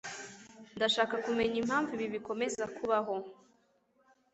Ndashaka kumenya impamvu ibi bikomeza kubaho.